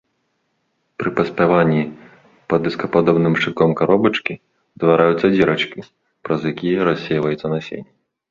Пры паспяванні пад дыскападобным шчытком каробачкі ўтвараюцца дзірачкі, праз якія рассейваецца насенне.